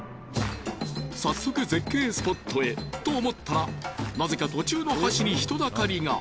早速絶景スポットへと思ったらなぜか途中の橋に人だかりが！